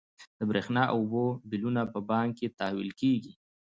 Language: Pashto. د برښنا او اوبو بلونه په بانک کې تحویل کیږي.